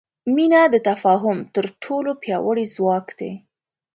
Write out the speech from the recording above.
مینه د تفاهم تر ټولو پیاوړی ځواک دی.